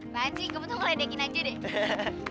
paci kebetulan ngeledekin aja deh